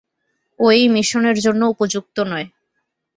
ও এই মিশনের জন্য উপযুক্ত নয়।